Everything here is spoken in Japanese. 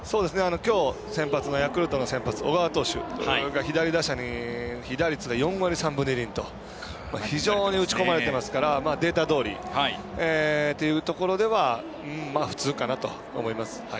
きょうヤクルトの先発の小川投手が左打者に被打率が４割３分２厘と非常に打ち込まれてますからデータどおりというところでは普通かなと思います。